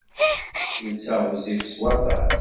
Netta ɣezzif s waṭas